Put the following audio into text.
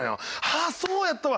ああそうやったわ！